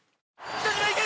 北島いけ！